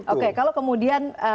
oke kalau kemudian